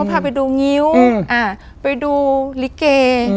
พาไปดูงิ้วไปดูลิเก